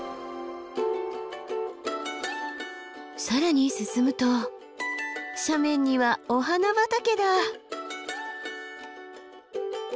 更に進むと斜面にはお花畑だ！